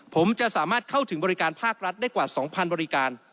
ผมจะสามารถเข้าถึงบริการภาครัฐได้กว่า๒๐๐บริการ